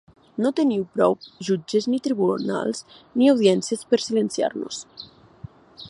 No teniu prou jutges ni tribunals ni audiències per silenciar-nos!